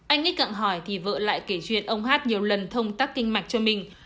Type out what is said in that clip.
anh x cặng hỏi thì vợ lại kể chuyện ông h nhiều lần thông tắc kinh mạch cho mình